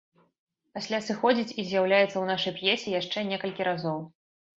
Пасля сыходзіць і з'яўляецца ў нашай п'есе яшчэ некалькі разоў.